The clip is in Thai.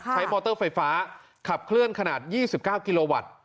มอเตอร์ไฟฟ้าขับเคลื่อนขนาด๒๙กิโลวัตต์